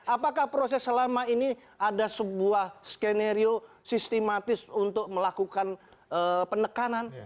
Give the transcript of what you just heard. apakah proses selama ini ada sebuah skenario sistematis untuk melakukan penekanan